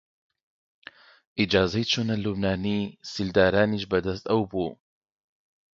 ئیجازەی چوونە لوبنانی سیلدارانیش بە دەست ئەو بوو